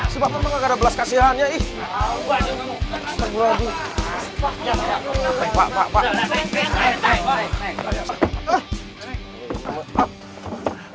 si bapak banget gak ada belas kasihan yah